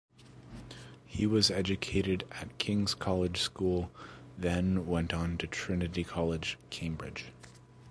He was educated at King's College School then went on to Trinity College, Cambridge.